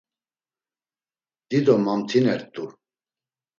Dido mamtine rt̆u.